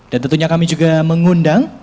dan tentunya kami juga mengundang